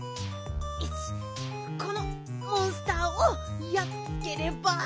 このモンスターをやっつければ。